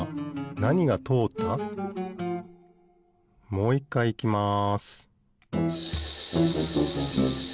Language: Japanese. もういっかいいきます